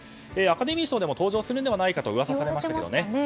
アカデミー賞でも登場するのではないかと噂されましたけどね。